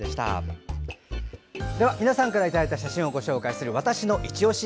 では皆さんからいただいた写真をご紹介する「＃わたしのいちオシ」